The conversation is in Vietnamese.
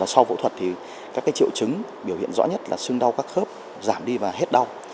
sau phẫu thuật thì các triệu chứng biểu hiện rõ nhất là sưng đau các khớp giảm đi và hết đau